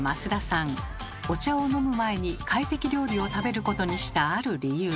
お茶を飲む前に懐石料理を食べることにした「ある理由」